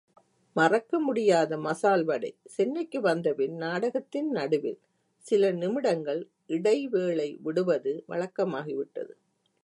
மறக்க முடியாத மசால்வடை சென்னைக்கு வந்தபின் நாடகத்தின் நடுவில் சில நிமிடங்கள் இடைவேளை விடுவது வழக்கமாகி விட்டது.